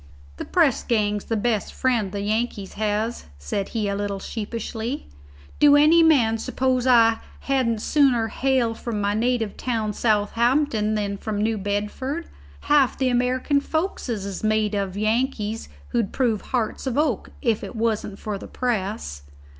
"The press gang's the best friend the Yankees has," said he a little sheepishly. "Do any man suppose I hadn't sooner hail from my native town Southampton than from New Bedford? Half the American foksles is made up of Yankees who'd prove hearts of oak if it wasn't for the press."